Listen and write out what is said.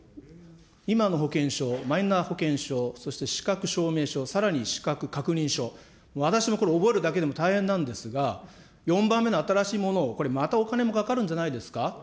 今の保険証、マイナ保険証、そして資格証明書、さらに資格確認書、私もこれ、覚えるだけでも大変なんですが、４番目の新しいものをこれ、またお金もかかるんじゃないですか。